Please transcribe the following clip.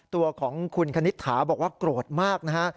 ตัวของคุณคณิตถาบอกว่าโกรธมากนะฮะ